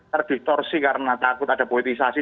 terdiktorsi karena takut ada poetisasi